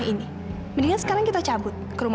ini semua pasti nggak mungkin ma